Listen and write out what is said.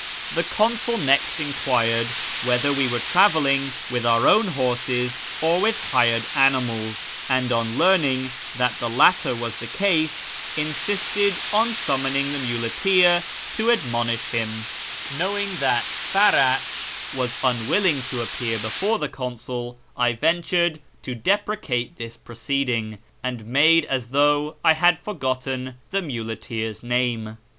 The consul next enquired whether we were travelling with our own horses or with hired animals, and, on learning that the latter was the case, insisted on summoning the muleteer to " admonish " him. Knowing that Farach was un 36 A YEAR AMONGST THE PERSIANS williiii,' l(» appear before the consul, I ventured to deprecate this i)roeecdin;j:, and made as though I had forgotten the muleteer's name.